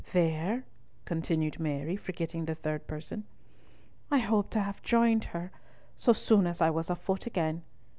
There," continued Mary, forgetting the third person, "I hoped to have joined her, so soon as I was afoot again.